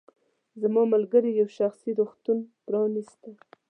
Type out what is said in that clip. زما ملګرې یو شخصي روغتون پرانیسته.